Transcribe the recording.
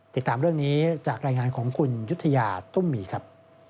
ติดตามเรื่องนี้จากรายงานของคุณยุธยาตุ้มมีครับ